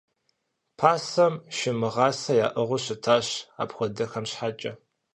Пасэм шы мыгъасэ яӏыгъыу щытащ апхуэдэхэм щхьэкӏэ.